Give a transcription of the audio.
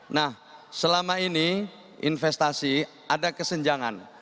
nah selama ini investasi ada kesenjangan